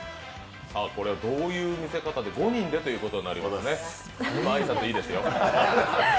これ、どういう見せ方で５人でということになりますね。